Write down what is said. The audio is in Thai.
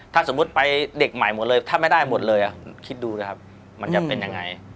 ถ้าสมมุติไปเด็กใหม่หมดเลยถ้าไม่ได้หมดเลยคิดดูนะครับมันจะเป็นยังไง